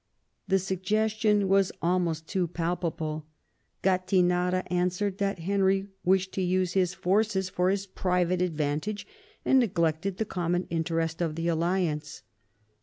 The suggestion was almost too palpable. Gattinara answered that Henry wished to use his forces for his private advantage, and neglected the common interest of the alliance.